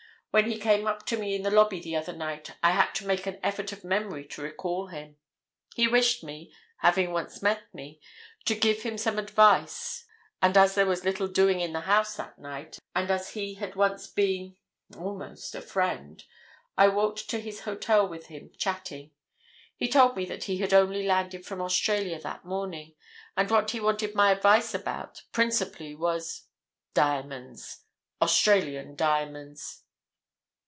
When he came up to me in the lobby the other night, I had to make an effort of memory to recall him. He wished me, having once met me, to give him some advice, and as there was little doing in the House that night, and as he had once been—almost a friend—I walked to his hotel with him, chatting. He told me that he had only landed from Australia that morning, and what he wanted my advice about, principally, was—diamonds. Australian diamonds."